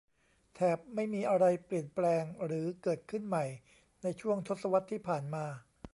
แถบไม่มีอะไรเปลี่ยนแปลงหรือเกิดขึ้นใหม่ในช่วงทศวรรษที่ผ่านมา